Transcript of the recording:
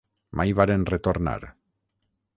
Mai varen retornar.